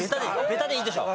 ベタでいいでしょ。